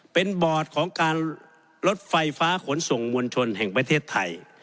เป็นบอร์ดของการลดไฟฟ้าขนส่งมวลชนแห่งประเทศไทย